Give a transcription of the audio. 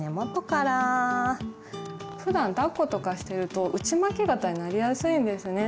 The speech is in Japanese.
ふだんだっことかしてると内巻き肩になりやすいんですね。